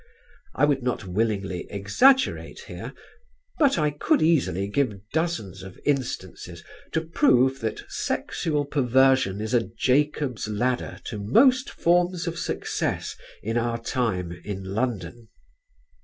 I would not willingly exaggerate here; but I could easily give dozens of instances to prove that sexual perversion is a "Jacob's Ladder" to most forms of success in our time in London.